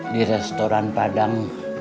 di restoran padang